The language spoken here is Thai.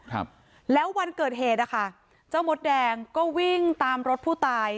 ครับแล้ววันเกิดเหตุอ่ะค่ะเจ้ามดแดงก็วิ่งตามรถผู้ตาย